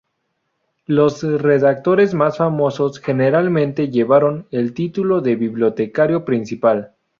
Los redactores más famosos generalmente llevaron el título de bibliotecario principal.